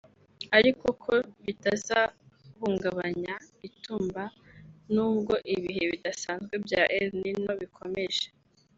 ariko ko bitazahungabanya Itumba nubwo ibihe bidasanzwe bya El-Nino bikomeje